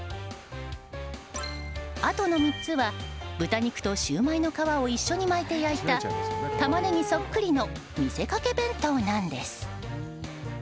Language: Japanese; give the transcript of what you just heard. あとの３つは豚肉とシューマイの皮を一緒に巻いて焼いたタマネギそっくりの見せかけ弁当なんです。